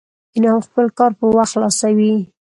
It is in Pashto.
انعام خپل کار پر وخت خلاصوي